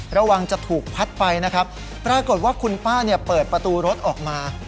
ระวังจะถูกพัดไปนะครับปรากฏว่าคุณป้าเนี่ยเปิดประตูรถออกมา